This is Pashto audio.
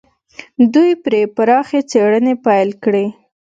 دوی پرې پراخې څېړنې پيل کړې.